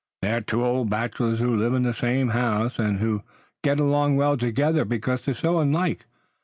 They are two old bachelors who live in the same house, and who get along well together, because they're so unlike.